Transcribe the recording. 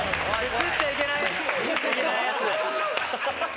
映っちゃいけないやつ。